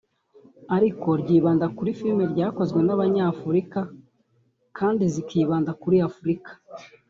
ariko ryibanda kuri filime zakozwe n’Abanyafurika kandi zikibanda kuri Afurika